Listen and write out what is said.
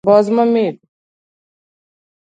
د خولې د وچوالي لپاره باید څه وکړم؟